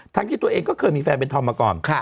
ที่ตัวเองก็เคยมีแฟนเป็นธอมมาก่อน